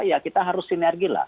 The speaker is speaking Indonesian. ya kita harus sinergilah